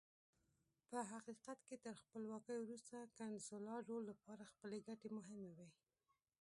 په حقیقت کې تر خپلواکۍ وروسته کنسولاډو لپاره خپلې ګټې مهمې وې.